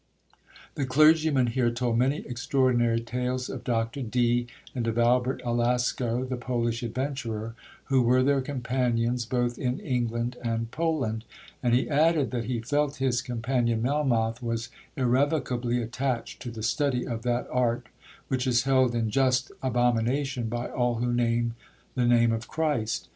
The clergyman here told many extraordinary tales of Dr Dee, and of Albert Alasco, the Polish adventurer, who were their companions both in England and Poland—and he added, that he felt his companion Melmoth was irrevocably attached to the study of that art which is held in just abomination by all 'who name the name of Christ.'